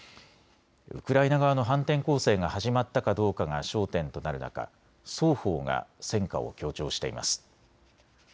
ウクライナ側の反転攻勢が始まったかどうかが焦点となる中、双方が戦果を強調しています。